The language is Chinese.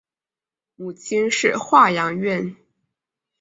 母亲是华阳院。